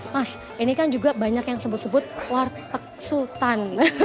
mas ini kan juga banyak yang sebut sebut warteg sultan